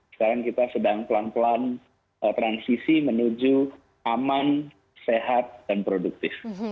sekarang kita sedang pelan pelan transisi menuju aman sehat dan produktif